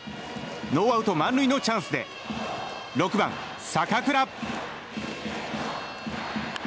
ノーアウト満塁のチャンスで６番、坂倉。